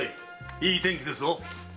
いい天気ですぞ！